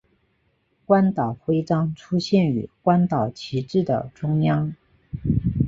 关岛徽章出现于关岛旗帜的中央。